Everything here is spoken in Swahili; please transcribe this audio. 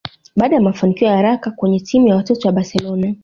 Baada ya mafanikio ya haraka kwenye timu ya watoto ya Barcelona